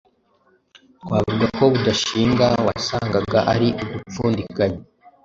twavuga ko budashinga, wasangaga ari ugupfundikanya.